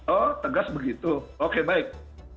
oh tegas begitu oke baik